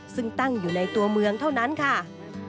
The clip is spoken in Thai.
ซึ่งตั้งอยู่ในตัวเมืองเท่านั้นค่ะ